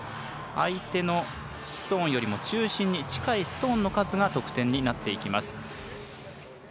相手のストーンよりも中心に近いストーンの数が得点になっていきます。